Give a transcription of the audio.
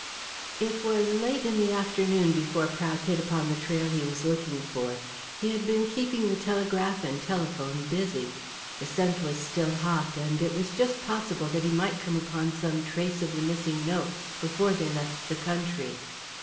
It was late in the afternoon before Prout hit upon the trail he was looking for. He had been keeping the telegraph and the telephone busy. The scent was still hot, and it was just possible that he might come upon some trace of the missing notes before they left the country.